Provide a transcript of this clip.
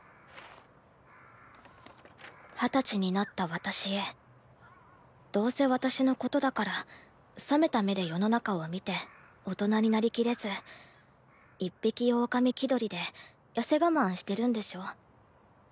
「二十才になった私へどうせ私のことだから、冷めた目で世の中を見て大人になり切れず、一匹オオカミ気取りでやせがまんしてるんでしょ。